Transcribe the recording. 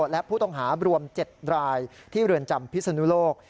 และผู้ต้องหารวม๗รายที่เรือนจำพิศนุโลก